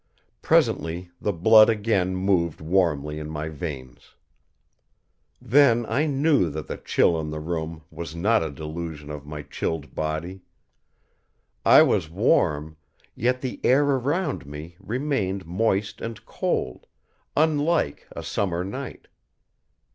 Presently the blood again moved warmly in my veins. Then I knew that the chill in the room was not a delusion of my chilled body. I was warm, yet the air around me remained moist and cold, unlike a summer night.